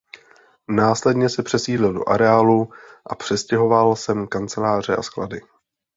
Následně se přesídlil do areálu a přestěhoval sem kanceláře a sklady.